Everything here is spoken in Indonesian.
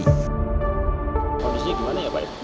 kondisinya gimana ya pak ya